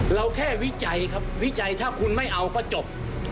เราแค่วิจัยครับวิจัยถ้าคุณไม่เอาก็จบ